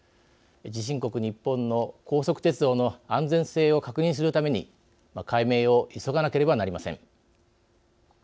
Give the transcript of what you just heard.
地震国日本の高速鉄道の安全性を確認するために解明を急がなければなりません。